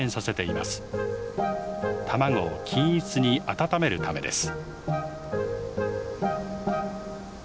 卵を均一に温めるためです。